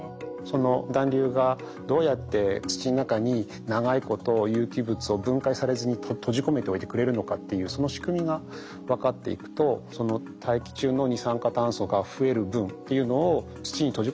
その団粒がどうやって土の中に長いこと有機物を分解されずに閉じ込めておいてくれるのかっていうその仕組みが分かっていくとというふうに期待されてるわけです。